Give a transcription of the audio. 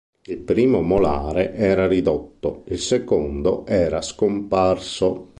Il primo molare era ridotto, il secondo era scomparso.